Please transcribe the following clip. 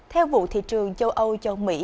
theo vụ thị trường châu âu cho mỹ